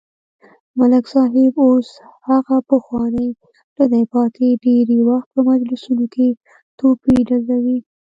ملک صاحب اوس هغه پخوانی ندی پاتې، ډېری وخت په مجلسونو کې توپې ډزوي.